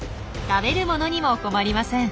食べる物にも困りません。